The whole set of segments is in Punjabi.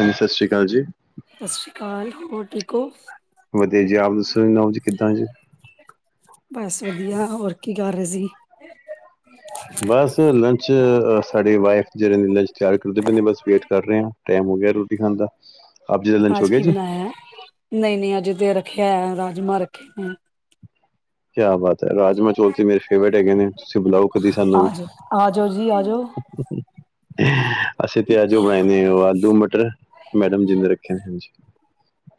ਹਾਂਜੀ, ਸਤਿ ਸ੍ਰੀ ਅਕਾਲ ਜੀ। ਸਤਿ ਸ੍ਰੀ ਅਕਾਲ, ਹੋਰ ਠੀਕ ਹੋ? ਵਧੀਆ ਜੀ ਆਪ ਦੱਸੋ ਨ ਚ ਕਿੱਦਾਂ ਜੀ ਬਸ ਵਧੀਆ ਹੋਰ ਕੀ ਕਰ ਰਹੇ ਸੀ? ਬਸ ਲੰਚ ਸਾਡੇ ਵਾਈਫ ਜਿਹੜੇ ਨੇ ਲੰਚ ਤਿਆਰ ਕਰਦੇ ਪੈਂਦੇ ਬਸ ਵੇਟ ਕਰ ਰਹੇ ਹਾਂ। ਟਾਈਮ ਹੋ ਗਿਆ ਰੋਟੀ ਖਾਣ ਦਾ। ਆਪ ਜੀ ਦਾ ਲੰਚ ਹੋ ਅੱਜ ਗਿਆ ਕੀ ਜੀ ਬਣਾਇਆ? ਨਹੀਂ ਨਹੀਂ ਅਜੇ ਤੇ ਰੱਖਿਆ ਹੈ ਰਾਜਮਾਂ ਰੱਖੇ ਨੇ ਕਿਆ ਬਾਤ ਹੈ ਰਾਜਮਾਂ ਚੌਲ ਤੇ ਮੇਰੇ ਫੇਵਰੇਟ ਹੈਗੇ ਨੇ ਤੁਸੀਂ ਬੁਲਾਓ ਕਦੀ ਸਾਨੂੰ ਆ ਵੀ ਜਾਓ ਆ ਜਾਓ ਜੀ ਆ ਜੋ। ਅਸੀਂ ਤੇ ਅੱਜ ਬਣਾਏ ਨੇ ਉਹ ਆਲੂ ਮਟਰ, ਮੈਡਮ ਜੀ ਨੇ ਰੱਖੇ ਨੇ ਹਾਂਜੀ।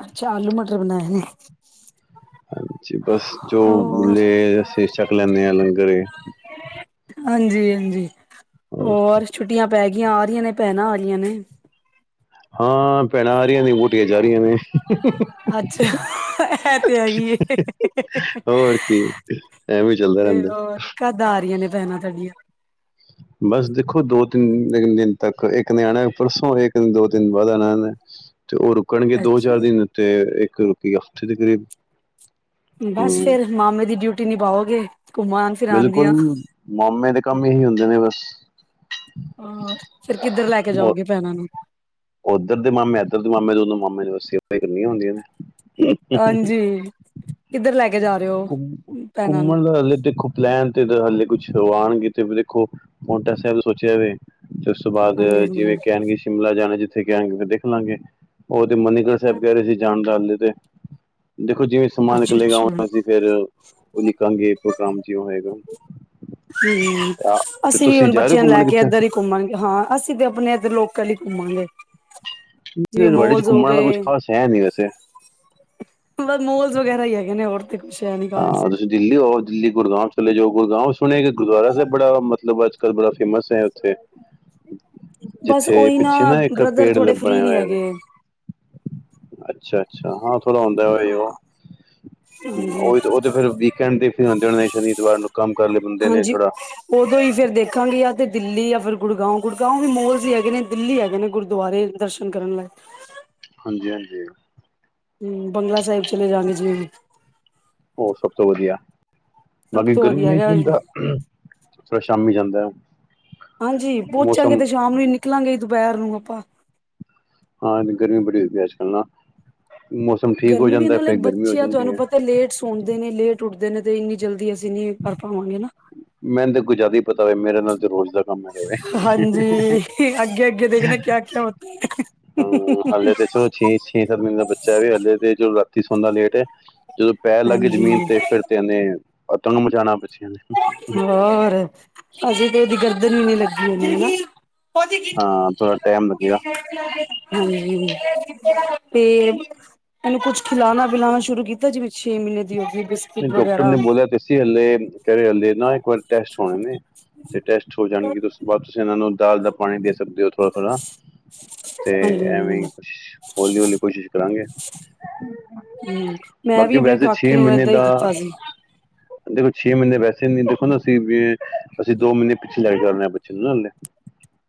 ਅੱਛਾ ਆਲੂ ਮਟਰ ਬਣਾਏ ਨੇ ਹਾਂਜੀ ਬਸ ਜੋ ਹੋਰ ਮਿਲੇ ਅਸੀਂ ਛੱਕ ਲੈਂਦੇ ਹਾਂ ਲੰਗਰੲ ਏ ਹਾਂਜੀ ਹਾਂਜੀ ਹੋਰ ਛੁੱਟੀਆਂ ਪੈ ਗਈਆਂ ਆ ਰਹੀਆਂ ਨੇ ਭੈਣਾਂ ਆ ਰਹੀਆਂ ਨੇ ਹਾਂ ਭੈਣਾਂ ਆ ਰਹੀਆਂ ਨੇ ਵੋਟੀਆਂ ਜਾ ਰਹੀਆਂ ਨੇ ਅੱਛਾ ਇਹ ਤੇ ਹੈਗੀ ਏ। ਹੋਰ ਕੀ ਐਵੇ ਵੀ ਚੱਲਦਾ ਤੇ ਰਹਿੰਦਾ। ਹੋਰ ਕਦ ਆ ਰਹੀਆਂ ਨੇ ਭੈਣਾਂ ਤੁਹਾਡੀਆਂ ਬਸ ਦੇਖੋ ਦੋ ਤਿੰਨ ਦਿਨ ਤੱਕ ਇੱਕ ਨੇ ਆਣਾ ਪਰਸੋਂ, ਇੱਕ ਨੇ ਦੋ ਤਿੰਨ ਬਾਅਦ ਆਣਾ। ਤੇ ਉਹ ਰੁਕਣਗੇ ਦੋ ਅੱਛਾ ਚਾਰ ਦਿਨ ਤੇ ਇੱਕ ਰੁਕੀ ਹਫ਼ਤੇ ਦੇ ਕਰੀਬ। ਬਸ ਹੂੰ ਫੇਰ ਮਾਮੇ ਦੀ ਡਿਊਟੀ ਨਿਭਾਉਗੇ, ਘੁਮਾਣ ਫਿਰ ਬਿਲਕੁਲ, ਮਾਮੇ ਦੇ ਕੰਮ ਇਹੀ ਹੁੰਦੇ ਨੇ ਬਸ। ਹਾਂ, ਫਿਰ ਕਿੱਧਰ ਲੈ ਕੇ ਜਾਓਗੇ ਭੈਣਾਂ ਨੂੰ? ਉੱਧਰ ਦੇ ਮਾਮੇ ਇੱਧਰ ਦੇ ਮਾਮੇ ਦੋਨੋ ਮਾਮਿਆਂ ਦੀ ਸੇਵਾ ਕਰਨੀਆਂ ਹੁੰਦੀਆਂ ਨੇ। ਹਾਂਜੀ ਕਿੱਧਰ ਲੈ ਕੇ ਜਾ ਰਹੇ ਹੋ ਭੈਣਾਂ ਨੂੰ ਘੁੰਮਣ ਹਲੇ ਦੇਖੋ ਲੈਣ ਤੇ ਹਾਲੇ ਕੁਛ ਆਉਣਗੇ ਤੇ ਦੇਖੋ, ਹੁਣ ਤੈ ਸੋਚਿਆ ਵੀ। ਤੇ ਉਸ ਤੋਂ ਬਾਅਦ ਹਾਂਜੀ ਹਾਂਜੀ ਜਿਵੇਂ ਕਹਿਣਗੇ ਸ਼ਿਮਲਾ ਜਾਣਾ ਜਿੱਥੇ ਕਹਿਣਗੇ ਦੇਖ ਲਾਂਗੇ, ਉਹਦੇ ਮਨੀ ਜਿਵੇਂ ਸਾਹਿਬ ਕਹਿਣਗੇ ਜਾਣ ਦਾ ਹਲੇ ਤੇ ਦੇਖੋ, ਜਿਵੇਂ ਸਮਾਂ ਅੱਛਾ ਨਿਕਲੇਗਾ ਅੱਛਾ ਹਮ ਹੁਣ ਅਸੀਂ ਫਿਰ ਉਹ ਲਿਖਾਂਗੇ ਕੋਈ ਕੰਮ ਜੇ ਹੋਏ ਤਾਂ। ਹੂੰ, ਤੇ ਅਸੀਂ ਵੀ ਤੁਸੀਂ ਹੁਣ ਜਾ ਰਹੇ ਹੋ ਬੱਚਿਆਂ ਨੂੰ ਲੈ ਘੁੰਮਣ ਕੇ ਇੱਧਰ ਕਿੱਥੇ ਹੀ ਘੁੰਮਾਂਗੇ ਹਾਂ, ਅਸੀਂ ਤਾਂ ਆਪਣੇ ਇੱਧਰ ਲੋਕਲ ਹੀ ਘੁੰਮਾਂਗੇ। ਜਿਵੇਂ ਨੋਇਡਾ ਚ ਮੋਲਸ ਹੋ ਘੁੰਮਣ ਵਾਲਾ ਕੁਛ ਗਏ ਖ਼ਾਸ ਹੈ ਨੀ ਵੈਸੇ, ਬਸ ਮੋਲਜ ਵਗੈਰਾ ਹੀ ਹੈਗੇ ਨੇ ਹੋਰ ਤੇ। ਕੁਛ ਹੈ ਨੀ ਗਾ ਹਾਂ, ਤੁਸੀਂ ਦਿੱਲੀ ਹੋ ਦਿੱਲੀ ਗੁੜਗਾਵ ਚਲੇ ਜਾਓ ਗੁੜਗਾਵ ਸੁਣੇ ਗੁਰਦੁਆਰਾ ਸਾਹਿਬ ਬੜਾ ਮਤਲਬ ਅੱਜ ਕੱਲ੍ਹ ਬੜਾ ਫੇਮਸ ਹੈ ਉੱਥੇ। ਬਸ ਜਿੱਥੇ ਉਹੀ ਪਿੱਛੇ ਨਾ ਬ੍ਰਦਰ ਥੋੜੇ ਫ੍ਰਰੀ ਨਹੀਂ ਹੈਗੇ। ਅੱਛਾ-ਅੱਛਾ, ਹਾਂ ਥੋੜ੍ਹਾ ਹੁੰਦਾ ਉਹ ਹੀ ਹਾਂ ਓ। ਹਾਂਜੀ ਉਹੀ ਤੇ ਉਹ ਫਿਰ ਵੀਕਐਂਡ ਦੇਖ ਕੇ ਆਉਂਦੇ ਹੁਣੇ, ਸ਼ਨੀ ਐਤਵਾਰ ਨੂੰ ਕੰਮ ਕਰ ਲਏ ਬੰਦੇ ਨੇ ਹਾਂਜੀ ਥੋੜਾ। ਉਦੋਂ ਹੀ ਫੇਰ ਦੇਖਾਂਗੀ, ਜਾਂ ਤੇ ਦਿੱਲੀ ਜਾਂ ਫਿਰ ਗੁੜਗਾਉ, ਗੁੜਗਾਉ ਵੀ ਮੋਲ ਹੀ ਹੈਗੇ ਨੇ, ਦਿੱਲੀ ਹੈਗੇ ਨੇ ਗੁਰਦੁਆਰੇ ਦਰਸ਼ਨ ਗਰਮ ਹਾਂਜੀ-ਹਾਂਜੀ। ਹੂੰ, ਬੰਗਲਾ ਸਾਹਿਬ ਚਲੇ ਜਾਗੇ ਜਿਵੇਂ, ਉਹ ਸਭ ਤੋਂ ਵਧੀਆ, ਸਭ ਬਾਕੀ ਤੋਂ ਵਧੀਆ ਗਰਮੀ ਚ ਹੈਗਾ ਹੁੰਦਾ, ਫਿਰ ਸ਼ਾਮੀ ਜਾਂਦਾ। ਹਾਂਜੀ, ਪਹੁੰਚਾਂਗੇ ਮੌਸਮ ਤੇ ਸ਼ਾਮ ਨੂੰ ਹੀ ਨਿਕਲਾਂਗੇ ਦੁਪਹਿਰ ਨੂੰ ਆਪਾਂ। ਹਾਂ, ਗਰਮੀ ਬੜੀ ਹੋਦੀ ਹੈ ਅੱਜ ਕੱਲ੍ਹ ਨਾ ਮੌਸਮ ਠੀਕ ਹੋ ਜਾਂਦਾ ਫਿਰ ਗਰਮੀ ਹੋ ਜਾਂਦੀ ਹੈ। ਸੁਣਦੇ ਨੇ ਲੇਟ ਉੱਠਦੇ ਨੇ ਤੇ ਇੰਨੀ ਜਲਦੀ ਅਸੀਂ ਨੀ ਕਰ ਪਾਵਾਂਗੇ ਨਾ। ਮੈਨੂੰ ਤਾਂ ਕੋ ਜ਼ਿਆ ਹੀ ਪਤਾ ਹੋਵੇ ਮੇਰੇ ਨਾਲ ਤੇ ਰੋਜ਼ ਦਾ, ਕੰਮ ਹੈਗਾ ਵੇ ਹਾਂਜੀ, ਅੱਗੇ ਅੱਗੇ ਦੇਖਣਾ ਕਿਆ ਕਿਆ ਹੋਤਾ। ਹੂੰ, ਹਾਲ ਦੇ ਚੋ ਛ ਛੇ ਸੱਤ ਮਹੀਨੇ ਦਾ ਬੱਚਾ ਹਲੇ ਤੇ ਜਦੋਂ ਰਾਤੀ ਸੌਦਾ ਲੇਟ ਹੈ ਜਦੋਂ ਪੈਰ ਲੱਗਏ ਜ਼ਮੀਨ ਹਾਂਜੀ ਤੇ ਫਿਰ, ਤੇ ਇਹਨੇ ਅਤੰਗ ਮਚਾਣਾ ਬੱਚਿਆਂ ਨੇ, ਹੋਰ ਅਸੀਂ ਤੇ ਉਹਦੀ ਗਰਦਨ ਨੀ ਲੱਗੀ ਉਹਦੀ ਹਾਂ ਥੋੜਾ ਟਾਈਮ ਲੱਗੇਗਾ ਹਨਾ, [unintelligible] ਹਾਂਜੀ, ਤੇ ਇਹਨੂੰ ਕੁਛ ਖਿਲਾਣਾ ਪਿਉਣਾ ਸ਼ੁਰੂ ਕੀਤਾ ਜਿਵੇਂ ਛੇ ਮਹੀਨੇ ਦੀ ਹੋ ਗੀ ਬ ਨਹੀਂ ਡਾਕਟਰ ਨੇ ਬੋਲਿਆ ਤੇ ਸੀ ਹੱਲੇ ਕਰੇ ਹੱਲੇ ਨਾ ਇੱਕ ਵਾਰੀ ਟੈਸਟ ਹੋਣੇ ਨੇ। ਤੇ ਟੈਸਟ ਹੋ ਜਾਣਗੇ ਤੇ ਉਸ ਤੋਂ ਬਾਅਦ ਤੁਸੀਂ ਇਹਨਾਂ ਨੂੰ ਦਾਲ ਦਾ, ਪਾਣੀ ਦੇ ਸਕਦੇ ਹੋ ਥੋੜ੍ਹਾ-ਥੋੜ੍ਹਾ, ਤੇ ਹਾਂਜੀ ਹਾਂਜੀ। ਐਵੇਂ ਕੁਛ। ਹੌਲੀ-ਹੌਲੀ ਕੋਸ਼ਿਸ਼ ਕਰਾਂਗੇ। ਹੂੰ, ਮੈਂ ਵੀ ਆਪਣੇ ਕਾਕੇ ਨੂੰ ਏਦਾਂ ਹੀ ਹ [unintelligible] ਦੇਖੋ ਛੇ ਮਹੀਨੇ ਵੈਸੇ ਨੀ ਦੇਖੋ ਨਾ ਅਸੀਂ ਵੀ ਅਸੀਂ ਦੋ ਮਹੀਨੇ ਪਿੱਛੇ ਲੈ ਕੇ ਚਲਦੇ ਬੱਚੇ ਨੂੰ ਨਾ ਹਲੇ।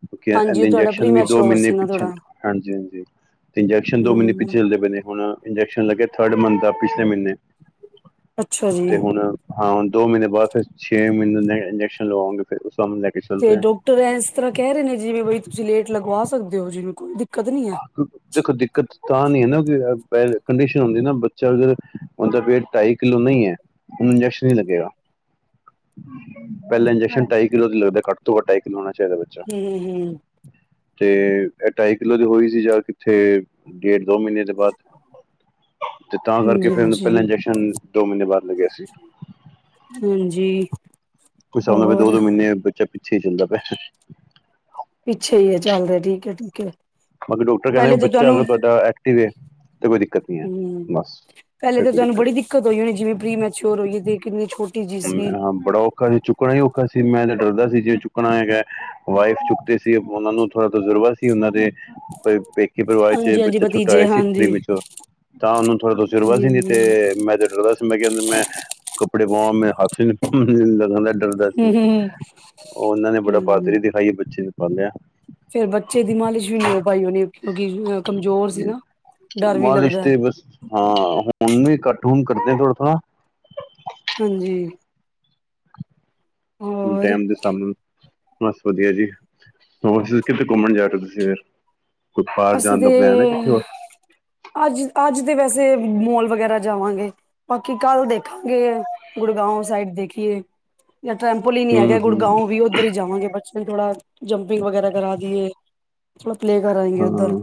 ਕਿਉਂਕਿ ਹਾਂਜੀ ਇਹਦੇ ਉਹ ਤੁਹਾਡਾ ਇੰਜੈਕਸ਼ਨ ਪ੍ਰੀ ਵੀ ਦੋ ਮੈਚੋਰ ਮਹੀਨੇ ਸੀ ਨਾ ਪਿੱਛੇ ਥੋੜਾ। ਹਾਂਜੀ- ਹਾਂਜੀ। ਤੇ ਇੰਜੈਕਸ਼ਨ ਦੋ ਮਹੀਨੇ ਹੂੰ ਪਿੱਛੇ ਚੱਲਦੇ ਪਏ ਨੇ ਹੁਣ ਇੰਜੈਕਸ਼ਨ ਲੱਗੇ ਥਰਡ ਮੰਥ ਦਾ ਪਿਛਲੇ ਮਹੀਨੇ। ਅੱਛਾ ਜੀ ਤੇ ਹੁਣ ਹਾਂ ਦੋ ਮਹੀਨੇ ਬਾਅਦ ਫਿਰ ਛੇ ਮਹੀਨੇ ਦੇ ਇੰਜੈਕਸ਼ਨ ਲਵਾਵਾਂਗੇ ਫੇਰ ਉਸ ਸਾਬ ਨਾਲ ਲੈ ਕੇ। ਚੱਲ ਤੇ ਰਹੇ ਡਾਕਟਰ ਇਸ ਤਰ੍ਹਾਂ ਕਹਿ ਰਹੇ ਨੇ ਜਿਵੇਂ ਵੀ ਤੁਸੀਂ ਲੇਟ ਲਗਵਾ ਸਕਦੇ ਹੋ ਜਿਨੂੰਕੁ ਦੇ। [unintelligible] ਦੇਖੋ ਦਿੱਕਤ ਤਾਂ ਨਹੀਂ ਹੈ ਨਾ ਕੰਡੀਸ਼ਨ ਹੁੰਦੀ ਨਾ ਬੱਚਾ ਅਗਰ ਉਹਦਾ ਪਿਆ ਟਾਈ, ਕਿਲੋ ਨਹੀਂ ਹੈ ਇਹਨੂੰ ਇੰਜੈਕਸ਼ਨ ਨਹੀਂ ਲੱਗੇਗਾ। ਪਹਿਲਾ ਇੰਜੈਕਸ਼ਨ ਢਾਈ ਕਿਲੋ ਦੀ ਲੱਗਦਾ ਘੱਟ ਤੋਂ ਘੱਟ ਢਾਈ ਕਿੱਲੋ ਹੋਣਾ ਚਾਹੀਦਾ ਬ ਹੂੰ। ਤੇ ਢਾਈ ਕਿਲੋ ਦੀ ਹੋਈ ਸੀ, ਜਾਂ ਕਿੱਥੇ ਡੇਢ ਦੋ ਮਹੀਨੇ ਦੇ ਬਾਅਦ, ਤੇ ਤਾਂ ਕਰਕੇ ਹੂੰ ਫੇਰ ਇਹਨੂੰ ਹਾਂਜੀ ਹਾਂਜੀ ਪਹਿਲਾਂ ਇੰਜੈਕਸ਼ਨ ਦੋ ਮਹੀਨੇ ਬਾਅਦ ਲੱਗਿਆ ਸੀ। ਹਾਂਜੀ। ਉਸ ਹਿਸਾਬ ਨਾਲ ਹੋਰ ਦੋ-ਦੋ ਮਹੀਨੇ ਬੱਚਾ ਪਿੱਛੇ ਚੱਲਦਾ ਪਿਆ। ਪਿੱਛੇ ਹੀ ਚੱਲਦਾ, ਠੀਕ-ਠੀਕ ਐ। ਕੱਲ ਡਾਕਟਰ ਕਹਿੰਦੇ, ਵੀ ਬੱਚਾ ਅਗਰ ਤੁਹਾਡਾ ਐਕਟਿਵ ਐ ਹੂੰ, ਪਹਿਲੇ ਫਿਰ ਤੇ ਕੋਈ ਤੁਹਾਨੂੰ ਬੜੀ ਦਿੱਕਤ ਹੋਈ ਹੋਣੀ, ਜਿਵੇਂ ਪ੍ਰੀ ਮ [inaudible] ਹੂੰ ਅ ਬੜਾ ਔਖਾ ਸੀ ਚੁੱਕਣਾ ਹੀ ਔਖਾ ਸੀ, ਮੈਂ ਤਾਂ ਡਰਦਾ ਸੀ, ਜੇ ਚੁੱਕਣਾ ਹੈਗਾ ਵਾਈਫ ਚੁੱਕਦੇ ਸੀ। ਤੇ ਉਹਨਾਂ ਨੂੰ ਥੋੜ੍ਹਾ ਤਜਰਬਾ ਸੀ, ਉਹਨਾਂ ਦੇ [inaudible] ਕੋਈ ਪੇਕੇ ਪਰਿਵਾਰ ਚ ਹਾਂਜੀ ਹਾਂਜੀ ਬੱਚਾ ਛੋਟਾ ਹੋਇਆ ਭਤੀਜੇ ਸੀ, ਪ੍ਰੀ ਹਾਂਜੀ ਮਿਚੌਰ। ਤਾਂ ਉਹਨੂੰ ਥੋੜ੍ਹਾ ਤਜੁਰਬਾ ਜੀ ਸੀ, ਨਈ ਜੀ ਤੇ ਮੈਂ ਤਾਂ ਡਰਦਾ ਸੀ। ਮੈਂ ਕਹਿੰਦੇ ਮੈਂ ਕੱਪੜੇ ਪਾਵਾਂ, ਮੈਂ ਹੱਥ ਹ-ਹ-ਹ ਲੱਗਦਾ। ਡਰਦਾ ਸੀ, ਹਮ ਹਮ ਉਹਨਾਂ ਨੇ ਬੜਾ ਹਮ ਬਹਾਦਰੀ ਦਿਖਾਈ, ਬੱਚੇ ਨੂੰ ਪਾਲਿਆ। ਫੇਰ ਬੱਚੇ ਦੀ ਮਾਲਿਸ਼ ਵੀ ਨੀ ਹੋ ਪਾਈ ਹੋਣੀ, ਕਿਉਂਕਿ ਕਮਜ਼ੋਰ ਸੀ ਨਾ, ਡਰ ਵੀ ਮਾਲਿਸ਼ ਲੱਗਦਾ। ਤੇ ਬਸ ਹਾਂ ਹੁਣ ਵੀ ਘੱਟ, ਹੁਣ ਕਰਦੇ ਥੋੜ੍ਹਾ-ਥੋੜ੍ਹਾ। ਹਾਂਜੀ। ਹੁਣ ਹੋਰ ਟੈਮ ਦੇ ਹਿਸਾਬ ਨਾਲ, ਬਸ ਵਧੀਆ ਜੀ। ਹੋਣ ਤੁਸੀ ਕਿਤੇ ਘੁੰਮਣ ਜਾ ਰਹੇ ਹੋ ਤੁਸੀਂ ਫੇਰ, ਕੋਈ ਬਾਹਰ ਜਾਣ ਦਾ ਪਲੈਨ ਹੈ ਕਿੱਥੇ ਹੋਰ। ਅੱਜ-ਅੱਜ ਤੇ ਵੈਸੇ ਮੋਲ ਵਗੈਰਾ ਜਾਵਾਂਗੇ। ਬਾਕੀ ਕੱਲ ਦੇਖਾਂਗੇ, ਗੁੜਗਾਉਂ ਸਾਈਡ ਦੇਖੀਏ। ਜਾਂ ਟੈਂਪਲ ਈ ਨੀ ਹੂੰ ਹੈਗਾ, ਹੂੰ ਗੁੜਗਾਉ ਵੀ ਉੱਧਰ ਹੀ ਜਾਵਾਂਗੇ, ਬੱਚੇ ਨੂੰ ਥੋੜ੍ਹਾ ਜੰਪਿੰਗ ਵਗੈਰਾ ਕਰਾ ਦੀਏ, ਥੋੜ੍ਹਾ ਪਲੇਅ ਕਰ ਆਈਏ। ਹੂੰ,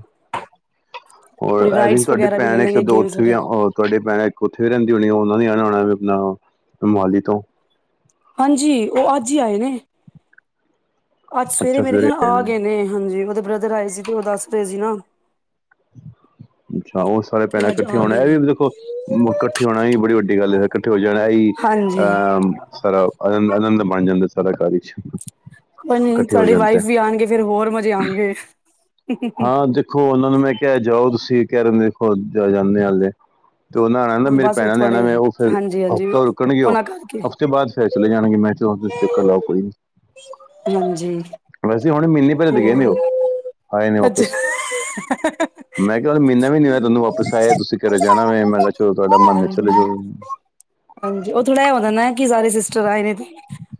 ਔਰ ਇਹ ਜੇੜੀ ਰਾਈਡਸ ਤਾਡੀ ਵਗੈਰਾ ਵੀ ਲੈ ਭੈਣ ਐ ਇਕ ਲੈਂਗੇ ਦੋ ਗੇਮਸ ਓਥੋਂ ਈ ਐ, ਵਗੈਰਾ ਹੋਰ ਤਾਡੀ ਭੈਣ ਉੱਥੇ ਵੀ ਰਹਿੰਦੀ ਹੋਣੀ, ਉਹਨਾਂ ਨੇ ਆਣਾ ਹੋਣਾ ਵੀ, ਆਪਣਾ ਮੋਹਾਲੀ ਤੋਂ। ਹਾਂਜੀ, ਉਹ ਅੱਜ ਹੀ ਆਏ ਨੇ। ਅੱਜ ਸਵੇਰੇ ਮੇਰੇ ਖਿਆਲ ਆ ਗਏ ਨੇ, ਹਾਂਜੀ ਮਤਲਬ ਬ੍ਰਦਰ ਆਏ ਸੀ, ਤੇ ਉਹ ਦੱਸ ਰਹੇ ਸੀ ਨਾ। ਅੱਛਾ, ਹੋਰ ਸਾਰੇ ਕਿ ਭੈਣਾਂ ਅੱਜ ਇਕੱਠੇ ਆ ਹੋਣਾ, ਗਏ ਇਹ ਨੇ ਵੀ ਦੇਖੋ ਵ ਕੱਠੇ ਹੋਣਾ ਹੀ ਬੜੀ ਵੱਡੀ ਗੱਲ ਏ, ਕੱਠੇ ਹੋ ਜਾਣਾ ਅਹ ਹਾਂਜੀ ਅ ਸਾਰਾ ਅਨੰਦ-ਅਨੰਦ ਬਣ ਜਾਂਦਾ, ਸਾਰਾ ਘਰ ਵਿਚ। ਕੋਈ ਨਹੀਂ ਤੁਹਾਡੀ ਵਾਈਫ ਵੀ ਆਣਗੇ, ਫੇਰ ਹੋਰ ਮਜੇ ਆਣਗੇ। ਹਾਂ ਦੇਖੋ ਉਹਨਾਂ ਨੂੰ ਮੈਂ ਕਿਹਾ ਜਾਓ ਤੁਸੀਂ, ਕਹਿ ਰਹੇ ਨੇ ਜਾ ਦੇਖੋ ਚਲੇ ਜਾਂਨੇ ਹਾਂ ਹਲੇ। ਤੇ ਉਹ ਨਾਲ ਨਾ ਮੇਰੇ ਬਸ ਉਹ ਭੈਣਾਂ ਨੇ ਆਣਾ ਥੋੜੇ ਵੇ, ਤੇ ਉਹ ਫਿਰ ਹਾਂਜੀ ਹਾਂਜੀ ਹਫ਼ਤਾ ਰੁਕਣਗੇ, ਉਹ ਉਹਨਾਂ ਕਰਕੇ ਹਫ ਤੋਂ ਬਾਅਦ [unintelligible] ਜਾਣਗੇ ਮੈਂ ਤੁਸੀਂ ਚੱਕਰ ਲਾਓ ਕੋਈ ਨੀ, ਹਾਂਜੀ ਵੈਸੇ ਹੁਣੇ ਮੀਨੇ ਪਹਿਲੇ ਤੇ ਗਏ ਨੀ ਹੂੰ। ਉਹ, ਆਏ ਨੇ ਵਾਪਿਸ। [unintelligible] ਮੈਂ ਕਿਹਾ ਮਹੀਨਾ ਵੀ ਨੀ ਹੋਇਆ ਤੁਹਾਨੂੰ ਵਾਪਸ ਆਇਆ, ਤੁਸੀਂ ਘਰੇ ਜਾਣਾ ਹੋਏ, ਮੈਂ ਕਿਹਾ ਚਲੋ ਤੁਹਾਡਾ ਮਨ ਏ ਹਾਂਜੀ, ਚਲੇ ਜਾਓ। ਹਾਂਜੀ, ਉਹ ਥੋੜਾ ਐ ਹੁੰਦਾ ਕੀ ਸਾਰੇ ਸਿਸਟਰ ਆਏ ਨੇ, ਤੇ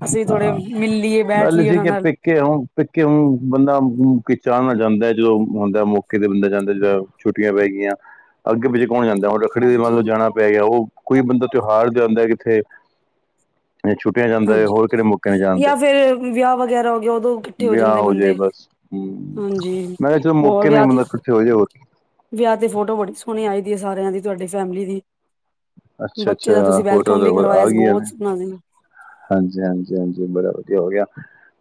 ਅਸੀਂ ਥੋੜੇ ਮਿਲ ਲੀਏ, ਬੈਠ ਲੀਏ ਉਹਨਾਂ ਨਾਲ। ਕਿਉਂ -ਕਿਉਂ ਬੰਦਾ ਕਿ ਚਾਅ ਨਾਲ ਜਾਂਦਾ, ਜਦੋਂ ਹੁੰਦਾ ਮੌਕੇ ਤੇ ਬੰਦਾ ਜਾਂਦਾ, ਜਦੋਂ ਛੁੱਟੀਆਂ ਪੈ ਗਈਆਂ, ਅੱਗੇ ਪਿੱਛੇ ਕੌਣ ਜਾਂਦਾ। ਰੱਖੜੀ ਦੇ ਮੰਨ ਲਓ ਹਾਂਜੀ, ਜਾਣਾ ਪੈ ਗਿਆ, ਉਹ ਕੋਈ ਬੰਦਾ ਤਿਉਹਾਰ ਜਾਂਦਾ ਕਿੱਥੇ ਛੁੱਟੀਆਂ ਜਾਂਦਾ ਹੈ ਹੋਰ ਕਿਹੜੇ ਮੌਕੇ ਨੇ ਹਾਂਜੀ-ਹਾਂਜੀ, ਜਾਂਦੇ ਜਾ ਫਿਰ ਵਿਆਹ ਵਗੈਰਾ ਹੋ ਗਿਆ ਓਦੋਂ ਇਕੱਠੇ ਹੋ ਵਿਆਹ ਜਾਂਦੇ ਜਾਏ ਬੰਦੇ। ਬਸ ਹਮ ਹਾਂਜੀ, ਮੈਂ ਕਿਹਾ ਚਲੋ ਹੋਰ ਮੌਕੇ ਨੇ ਵਿਆਹ ਤੇ ਬੰਦਾ ਇਕੱਠੇ ਹੋ ਜਾਏ ਹੋਰ ਕੀ। ਵਿਆਹ ਤੇ ਫੋਟੋ ਬੜੀ ਸੋਹਣੀ ਆਈ ਦੀ ਆ ਸਾਰਿਆਂ ਦੀ, ਤੁਹਾਡੀ ਫੈਮਿਲੀ ਦੀ। ਅੱਛਾ ਬੱਚੇ ਦਾ ਅੱਛਾ ਤੁਸੀਂ ਵੈਲਕਮ ਵੀ ਕਰਵਾਇਆ ਸੀ, ਬਹੁਤ ਸੋਹਣਾ ਸੀ। ਹਾਂਜੀ-ਹਾਂਜੀ-ਹਾਂਜੀ ਬੜਾ ਵਧੀਆ ਹੋ ਗਿਆ,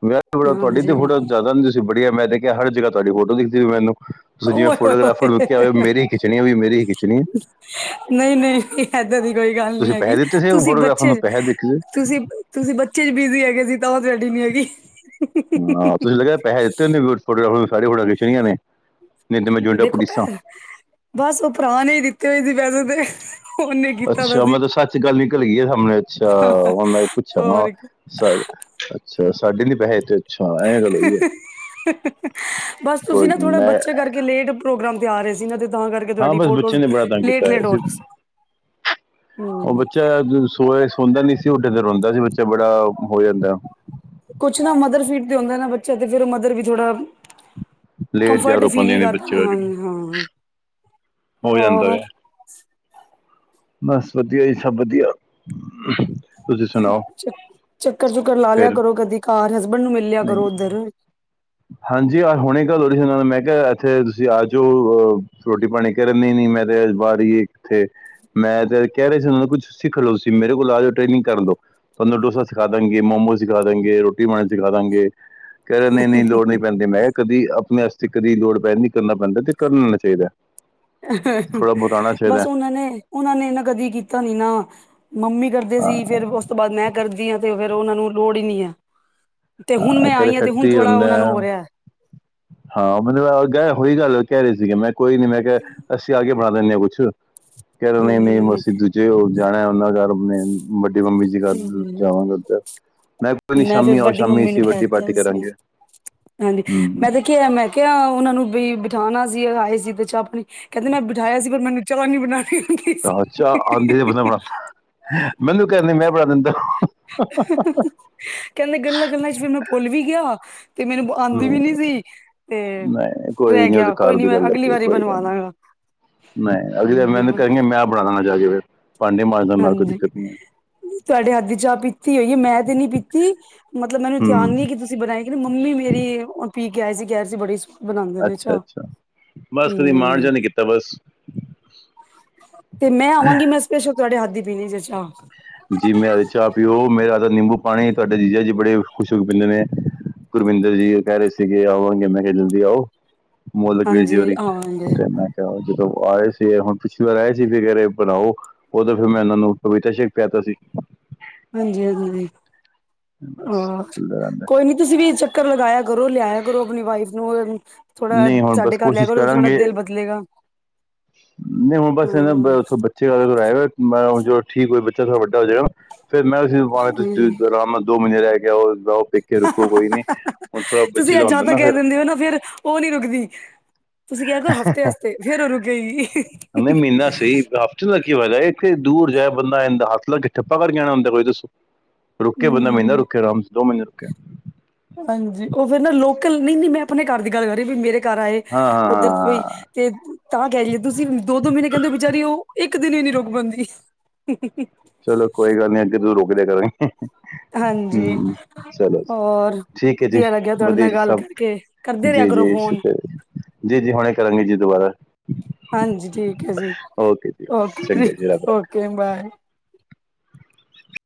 ਵਿਆਹ ਤੁਹਾਡੀ ਤੇ ਹਾਂਜੀ ਫੋਟੋ ਜ਼ਿਆਦਾ ਤੇ ਬੜੀਆ, ਮੈਂ ਤੇ ਕਿਹਾ ਹਰ ਜਗ੍ਹਾ ਤੁਹਾਡੀ ਫੋਟੋ ਦਿਖਦੀ ਐ ਮੈਨੂੰ। ਤੁਸੀਂ ਜਿਵੇਂ ਓਏ ਹੋਏ ਫੋਟੋਗ੍ਰਾਫਰ ਨੂੰ ਕਿਹਾ ਹੋਵੇ, ਹੋਏ ਮੇਰੀ ਈ ਖਿੱਚਣੀ ਐ ਵੀ ਮੇਰੀ ਖਿੱਚਣੀ ਐ। ਨਹੀਂ-ਨਹੀਂ ਏਦਾਂ ਦੀ ਕੋਈ ਗੱਲ ਨਹੀਂ ਤੁਸੀਂ ਪੈਸੇ ਹੈਗੀ, ਦਿੱਤੇ ਸੀ ਤੁਸੀਂ ਫੋਟੋਗ੍ਰਾਫਰ ਬੱਚੇ ਨੂੰ ਪੈਸੇ ਦਿੱਤੇ ਸੀ ਤੁਸੀਂ ਤੁਸੀਂ ਬੱਚੇ 'ਚ ਬਿਜ਼ੀ ਹੈਗੇ ਸੀ ਤਾਂ ਤੁਹਾਡੀ ਨੀ ਹੈਗੀ। ਹਾਂ ਤੁਸੀਂ ਲੱਗਿਆ ਪੈਹੇ ਦਿੱਤੇ ਨੇ ਫੋਟੋਗਰਾਫ਼ਰ ਨੂੰ ਸਾਰੀਆਂ ਫੋਟੋਆਂ ਖਿੱਚਾਈਆਂ ਨੇ। ਦੇਖੋ ਭੈਣ [unintelligible] ਬਸ ਉਹ ਭਰਾ ਨੇ ਹੀ ਦਿੱਤੇ ਹੋਏ ਸੀ ਪੈਸੇ ਤੇ ਉਹਨੇ ਕੀਤਾ ਦਾ ਅੱਛਾ ਸੀ ਮਤਲਬ ਸੱਚ ਗੱਲ ਨਿਕਲ ਗਈ ਆ ਸਾਹਮਣੇ ਅੱਛਾ ਹੁਣ ਮੈਂ ਪੁੱਛਾਂ ਹੋਰ ਕੀ ਸਾ ਅੱਛਾ ਸਾਡੇ ਲਈ ਪੈਹੇ ਦਿੱਤੇ। ਅੱਛਾ ਐਂ ਗੱਲ [inaudible] ਹੋਈ ਹੈ ਬਸ ਕੋਈ ਤੁਸੀਂ ਨਾ ਨੀ, ਥੋੜਾ ਮੈਂ ਬੱਚੇ ਕਰਕੇ ਲੇਟ ਪ੍ਰੋਗਰਾਮ ਤੇ ਆ ਰਹੇ ਸੀ ਨਾ ਤੇ ਤਾਂ ਕਰਕੇ ਹਾਂ ਤੁਹਾਡੀ ਬਸ ਫੋਟੋ ਬੱਚੇ ਨੇ ਬੜਾ ਤੰਗ ਕੀਤਾ ਲੇਟ- ਹੈ। ਲੇਟ ਹੋ ਰਹੀ ਸੀ। ਉਹ ਹਮ ਬੱਚਾ ਸੋਏ ਸੋਦਾ ਨੀ ਸੀ ਡੇ ਤੇ ਰੋਂਦਾ ਸੀ ਬੱਚਾ ਬੜਾ ਹੋ ਜਾਂਦਾ। ਕੁਛ ਨਾ ਮਦਰ ਫੀਡ ਤੇ ਹੁੰਦਾ ਨਾ ਬੱਚਾ ਤੇ ਫਿਰ ਮਦਰ ਵੀ ਥੋੜ੍ਹਾ ਲੇਟ ਕੰਫਰਟ ਤਿਆਰ ਹੋ ਫੀਲ ਪਾਉਂਦੇ ਨਹੀਂ ਨੇ ਕਰਦਾ ਬੱਚੇ ਹੂੰ ਕਰਕੇ ਹਾਂ ਹੋ ਜਾਂਦਾ ਹੋਰ ਹੈ ਬਸ ਵਧੀਆ ਜੀ ਸਭ ਵਧੀਆ ਤੁਸੀਂ ਚ ਸੁਣਾਓ ਚੱਕਰ- ਚੁੱਕਰ ਲਾ ਲਿਆ ਫਿਰ ਕਰੋ ਕਦੀ ਘਰ ਹਸਬੈਂਡ ਨੂੰ ਮਿਲ ਲਿਆ ਨਹੀਂ ਕਰੋ ਉਧਰ ਹਾਂਜੀ ਹੁਣੇ ਗੱਲ ਹੋ ਰਹੀ ਉਹਨਾਂ ਨਾਲ ਮੈਂ ਕਿਹਾ ਇੱਥੇ ਤੁਸੀਂ ਆ ਜਾਓ ਅਹ ਰੋਟੀ ਪਾਣੀ ਕਹਿ ਰਿਹਾ ਨਹੀਂ- ਨਹੀਂ ਮੇਰੇ ਅਜ ਵਾਰੀ ਏਥੇ ਮੈਂ ਤੇ ਕਹਿ ਰਹੇ ਸੀ ਉਹ ਕੁਛ ਸਿੱਖ ਲ ਸੀ ਮੇਰੇ ਕੋਲ ਆ ਜਾਓ ਟ੍ਰੇਨਿੰਗ ਕਰ ਲੋ। ਥਾਨੂੰ ਡੋਸਾ ਸਿਖਾ ਦਾਂਗੇ, ਮੋਮੋ ਸਿਖਾ ਦਾਂਗੇ, ਰੋਟੀ ਬਾਣੀ ਸਿਖਾ ਦਾਂਗੇ ਕ ਲੋੜ ਨਹੀਂ ਪੈਂਦੀ ਮੈਂ ਕਿਹਾ ਕਦੀ ਆਪਣੇ ਵਾਸਤੇ ਕਦੀ ਲੋੜ ਪੈ ਨ ਕਰਨਾ ਪੈਂਦਾ ਤੇ ਕਰ ਲੈਣਾ ਚਾਹੀਦਾ। ਅ ਹਂ ਹਂ, ਥੋੜਾ ਬਹੁਤ ਆਉਣਾ ਚਾਹੀਦਾ ਬਸ ਉਹਨਾਂ ਨੇ ਉਹਨਾਂ ਨੇ ਨਾ ਕਦੀ ਕੀਤਾ ਨੀ ਨਾ। ਮੰਮੀ ਕਰਦੇ ਹਾਂ ਸੀ ਫਿਰ ਉਸ ਤੋਂ ਬਾਅਦ ਮੈਂ ਕਰਦੀ ਹਾਂ ਤੇ ਫੇਰ ਉਹਨਾਂ ਨੂੰ ਲੋੜ ਹੀ ਨਹੀਂ ਹੈ। ਤੇ ਹੁਨ ਮੈਂ ਕਹਿ ਰਹੇ ਆਈ ਹਾਂ ਤੇ ਹੁਨ ਫੈਕਟਰੀ ਥੋੜ੍ਹਾ ਹੁੰਦਾ ਉਹਨਾਂ ਨੂੰ ਹੈ। ਹੋ ਰਿਹਾ। ਹਾਂ ਮਤਲਬ ਗਏ ਹੋਈ ਗੱਲ ਕਹਿ ਰਹੇ ਸੀਗੇ ਮੈਂ ਕੋਈ ਨੀ ਮੈਂ ਕਿਹਾ ਅਸੀਂ ਆ ਕੇ ਬਣਾ ਲੈਂਦੇ ਹਾਂ ਕੁੱਛ ਕੈਰੇ ਨਹੀਂ- ਹਾਂਜੀ ਨਹੀਂ ਹਾਂਜੀ ਮਸੀ ਦੂਜੇ ਹੋ ਜਾਣਾ ਉਨ੍ਹਾਂ ਘਰ ਨੇ ਵੱਡੀ ਮੰਮੀ ਜੀ ਕਰ ਹਮ ਜਾਵਾਂਗੇ ਉੱਧਰ ਮੈਂ ਕਿਹਾ ਕੋਈ ਨੀ ਫੇਰ ਸ਼ਾਮੀ ਆਓ ਵੱਡੀ ਸ਼ਾਮੀ ਮੰਮੀ ਅਸੀ ਨੂੰ ਕਹਿ ਵੱਡੀ ਦਿੱਤਾ ਪਾਰਟੀ ਸੀ ਕਰਾਂਗੇ। ਹਾਂਜੀ ਹੂੰ ਮੈਂ ਤੇ ਕਿਆ ਮੈਂ ਕਿਆ ਉਨ੍ਹਾਂ ਨੂੰ ਵੀ ਬਿਠਾਣਾ ਸੀ ਅ ਆਏ ਸੀ ਤੇ ਚਾਹ-ਪਣੀ ਕਹਿੰਦੇ ਨੈ ਬਿਠਾਇਆ ਸੀ। ਪਰ ਮੈਨੂੰ--! ਕਿਉਂ ਨਹੀਂ ਬਣਾਣੇ ਅ ਚਾਹ ਆਂਦੀ [inaudible] ਮੈਨੂੰ ਕਹਿੰਦੀ ਮੈਂ ਬਣਾ ਦਿੰਦਾ ਕਹਿੰਦੇ ਗੱਲਾਂ- ਗੱਲਾਂ'ਚ ਫਿਰ ਮੈਂ ਭੁਲ ਵੀ ਗਿਆ। ਤੇ ਮੈਨੂੰ ਆਂਦੀ ਵੀ ਨਹੀਂ ਨੀ ਸੀ ਤੇ ਨਹੀਂ ਕੋਈ ਰਹਿ ਨਹੀਂ ਉਹਦੇ ਗਿਆ ਕੋਈ ਨੀ ਮੈਂ ਅਗਲੀ ਵਾਰੀ ਬਣਵਾ ਦਾਂਗਾ। ਨਈ, ਅਗਲੀ ਮਿਹਨਤ ਹਮ ਕਰੇਂਗੇ ਮੈਂ ਬਣਾਂਦਾਗਾ ਜਾਕੇ ਫਿਰ। ਪਾਂਡੇ ਮਾਝਣ ਹਾਂਜੀ, ਤੁਹਾਡੇ ਹੱਥ ਦੀ ਚਾਹ ਪੀਤੀ ਹੋਈ ਹੈ। ਮੈਂ ਤੇ ਨੀ ਪੀਤੀ ਮਤਲਬ ਮੈਨੂੰ ਧਿਆਨ ਹੂੰ ਨ ਨਹੀਂ ਕਿ ਤੁਸੀਂ ਬਣਾਏ ਕਿ ਮੰਮੀ ਮੇਰੀ ਉਹ ਪੀ ਕੇ ਆਏ ਸੀ ਕਹਿ ਰਹੇ ਸੀ ਬੜੀ ਸੁਆਦ ਅੱਛਾ-ਅੱਛਾ ਬਸ ਕਦੀ ਮਾਣ ਹਮ ਜਿਹਾ ਨੀ ਕੀਤਾ ਬਸ ਤੇ ਮੈਂ ਆਵਾਂਗੀ ਮੈਂ ਸਪੇਸ਼ਲ ਤੁਹਾਡੇ ਹੱਥ ਦੀ ਪੀਣੀ ਜੇ ਚਾਹ ਜੀ ਮੈਂ ਅ ਚਾਹ ਪੀਓ ਮੇਰਾ ਹੱਥ ਦਾ ਨਿੰਬੂ ਪਾਣੀ ਤੁਹਾਡਾ ਜੀਜਾ ਜੀ ਬੜੇ ਖੁਸ਼ ਪੀਦੇ ਨੇ। ਗੁਰਵਿੰਦਰ ਜੀ ਕਹਿ ਰਹੇ ਸੀਗੇ ਆਵਾਂਗੇ ਮੈਂ ਕਿਹਾ ਜਲਦੀ ਆਓ। ਹਾਂਜੀ ਆਵਾਂਗੇ [unintelligible] ਜਦੋਂ ਆਏ ਸੀ ਹੁਣ ਪਿਛਲੀ ਵਾਰ ਆਏ ਸੀ ਫਿ ਕਹਿਰੇ ਬਣਾਓ ਉਦੋਂ ਫਿਰ ਮੈਂ ਉਹਨਾਂ ਨੂੰ ਪਪੀਤਾ ਸ਼ੇਕ ਪਿਆ ਤਾ ਸੀ। ਹਾਂਜੀ-ਹਾਂਜੀ ਬਸ ਹਾਂ ਚੱਲਦਾ ਰਹਿੰਦਾ ਕੋਈ ਨੀ ਤੁਸੀਂ ਵੀ ਚੱਕਰ ਲਗਾਇਆ ਕਰੋ ਲਿਆਇਆ ਕਰੋ ਆਪਣੀ ਵਾਈਫ ਨੂੰ ਥੋੜਾ ਨਹੀਂ ਹੁਣ ਸਾਡੇ ਬਸ ਘਰ ਲੈ ਕੋਸ਼ਿਸ਼ ਕਰ ਥੋੜਾ ਕਰਾਂਗੇ ਦਿਲ ਬਦਲੇਗਾ। ਨਹੀਂ ਹੂੰ ਬਸ ਨ ਬਸ ਬ ਅੱ ਗੱਲ ਮੈਂ ਹ ਜਦ ਠੀਕ ਹੋਈ ਬੱਚਾ ਵੱਡਾ ਹੋ ਜਾਵੇਗਾ ਫਿਰ ਮੈਂ ਤੁਸੀ ਹੂੰ ਅਰਾਮ ਨਾਲ ਦੋ ਮਈਨੇ ਰਹਿ ਕੇ ਆਓ ਬਓ ਪੇਕੇ ਰੁੱਕੋ ਕੋਈ, ਨੀ ਹੁਨ ਥੋੜਾ ਬੱਚੇ ਦਾ ਹੁੰਦਾ ਨਾ ਫ਼ਰ। ਦੇਖ ਲਓ ਫੇਰ ਉਹ ਨੀ ਰੁਕਦੀ ਤੁਸੀਂ ਕਿਆ ਕਰੋ ਹਫ਼ਤੇ ਵਸਤੇ ਫੇਰ ਉਹ ਰੁਕੇਗੀ। [inaudible] ਨਾ ਸੀ ਥੇ ਦਾ ਕੀ ਫਾਇਦਾ ਏ ਇੱਥੇ ਦੂਰ ਜਾਏ ਬੰਦਾ ਇਂਦਾ ਹੱਥ ਲੱਕੇ ਠੱਪਾ ਕਰਕਾ ਆਣਾ ਹੁੰਦਾ। ਕੋਈ ਦੱਸ ਰੁਕੇ ਬੰਦਾ ਮਹੀਨਾ ਹੂੰ ਰੁਕੇ ਆਰਾਮ ਦੋ ਮਹੀਨੇ ਰੁਕੇ ਹਾਂਜੀ, ਉਹ ਫਿਰ ਨਾ ਲੋਕਲ ਨਈ ਨਈ ਮੈਂ ਆਪਣੇ ਘਰ ਦੀ ਗੱਲ ਕਰ ਰਹੀ ਵੀ ਮੇਰੇ ਘਰ ਆਏ ਹਾਂ ਹਾਂ ਉੱਧਰ ਤੋਂ ਈ ਹਾਂ ਤੇ ਤਾਂ ਕਹਿ ਰੀਏ ਤੁਸੀਂ ਦੋ ਦੋ ਮੀਨੇ ਕਹਿੰਦੇ ਬਚਾਰੀ ਉਹ ਇੱਕ ਦਿਨ ਵੀ ਨੀ ਰੁਕ ਪਾਂਦੀ। [inaudible] ਚਲੋ ਕੋਈ ਗੱਲ ਨੀ ਅੱਗੇ ਤੋ ਰੋਕ ਦਿਆ ਕਰਾਂਗੇ। [inaudible] ਹਾਂਜੀ ਹੂੰ ਚਲੋ ਹੋਰ ਠੀਕ ਹੈ ਜੀ ਵਧੀਆ ਲੱਗਿਆ ਤੁਹਾਡੇ ਵਧੀਆ ਨਾਲ ਜੀ ਗੱਲ ਸਭ ਕਰਕੇ ਕਰਦੇ ਰਿਹਾ ਕਰੋ ਜੀ-ਜੀ ਫੋਨ ਸ਼ੁਕਰ ਜੀ-ਜੀ ਹੁਣੇ ਕਰਾਂਗੇ ਜੀ ਦੁਬਾਰਾ। ਹਾਂਜੀ ਠੀਕ ਹੈ ਜੀ ਓਕੇ ਜੀ ਓਕੇ- ਚੰਗਾ ਜੀ ਰੱਬ ਰਾਖਾ ਓਕੇ ਬਾਏ।